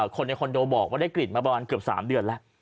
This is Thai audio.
คนในคอนโดบอกว่าได้กลิ่นมาประมาณเกือบ๓เดือนแล้ว